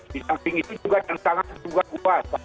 di samping itu juga tentangan juga kuat pak